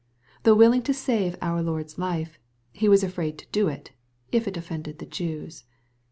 Though willing to save our Lord's life, he was afraid to do it, if it offended the Jews.